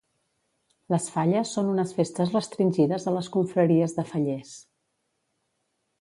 Les falles són unes festes restringides a les confraries de fallers.